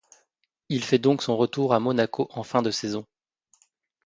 Il fait donc son retour à Monaco en fin de saison.